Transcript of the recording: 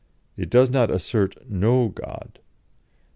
It does not assert no God.